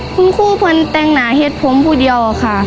คุณคู่คุณแต่งหนาเห็นผมพูดเยาว์ค่ะ